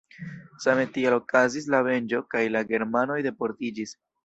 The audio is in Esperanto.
Same tiel okazis la venĝo kaj la germanoj deportiĝis.